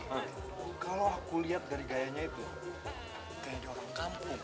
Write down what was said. kalau aku lihat dari gayanya itu gaya orang kampung